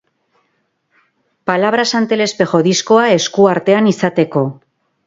Palabras ante el espejo diskoa esku artean izateko.